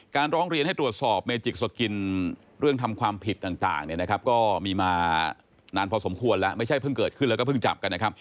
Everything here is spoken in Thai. ร้องเรียนให้ตรวจสอบเมจิกสกินเรื่องทำความผิดต่างเนี่ยนะครับก็มีมานานพอสมควรแล้วไม่ใช่เพิ่งเกิดขึ้นแล้วก็เพิ่งจับกันนะครับ